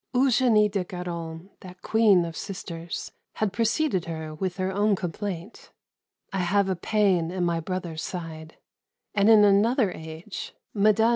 Eugenie de Guerin, that queen of sisters, had preceded her with her own complaint, "I have a pain in my brother's side"; and in another age Mme.